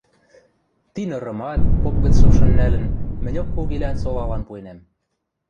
Ти нырымат, поп гӹц шыпшын нӓлӹн, мӹньок Кугилӓнсолалан пуэнӓм...